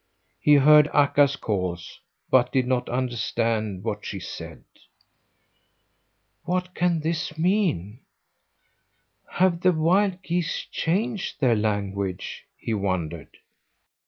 He heard Akka's calls, but did not understand what she said. "What can this mean? Have the wild geese changed their language?" he wondered.